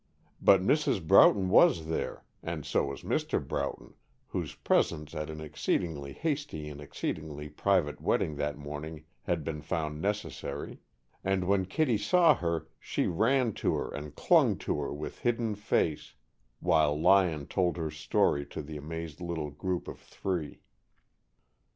But Mrs. Broughton was there (and so was Mr. Broughton, whose presence at an exceedingly hasty and exceedingly private wedding that morning had been found necessary), and when Kittie saw her she ran to her and clung to her with hidden face, while Lyon told her story to the amazed little group of three.